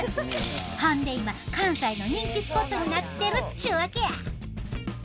ほんで今関西の人気スポットになってるっちゅうわけや。